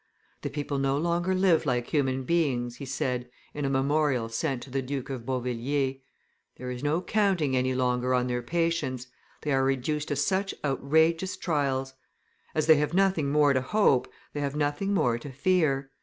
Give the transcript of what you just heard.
"The people no longer live like human beings," he said, in a memorial sent to the Duke of Beauvilliers; "there is no counting any longer on their patience, they are reduced to such outrageous trials. As they have nothing more to hope, they have nothing more to fear.